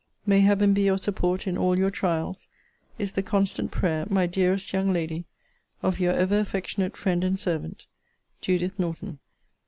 May Heaven be your support in all your trials, is the constant prayer, my dearest young lady, of Your ever affectionate friend and servant, JUDITH NORTON.